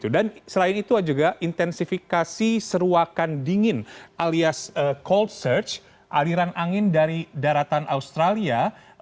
dan selain itu juga intensifikasi seruakan dingin alias cold surge aliran angin dari daratan australia